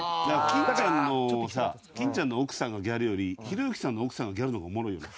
金ちゃんのさ金ちゃんの奥さんがギャルよりひろゆきさんの奥さんがギャルの方がおもろいよね。